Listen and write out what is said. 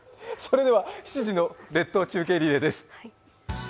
それでは７時の列島中継リレーです。